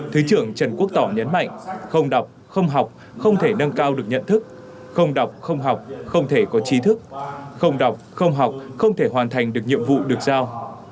thứ trưởng trần quốc tỏ nhấn mạnh không đọc không học không thể nâng cao được nhận thức không đọc không học không thể có trí thức không đọc không học không thể hoàn thành được nhiệm vụ được giao